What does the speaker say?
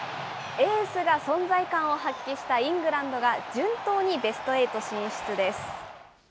エースが存在感を発揮したイングランドが、順当にベストエイト進出です。